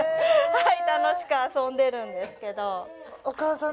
楽しく遊んでるんですけど。